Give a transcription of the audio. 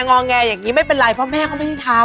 องแงอย่างนี้ไม่เป็นไรเพราะแม่เขาไม่ได้ทำ